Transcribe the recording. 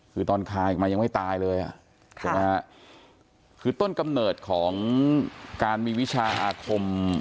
คือตอนคายออกมายังไม่ตายเลยอ่ะใช่ไหมฮะคือต้นกำเนิดของการมีวิชาอาคม